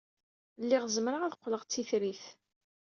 Lliɣ zemreɣ ad qqleɣ d titrit.